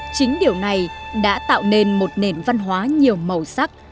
chính điều này đã tạo nên một nền văn hóa nhiều màu sắc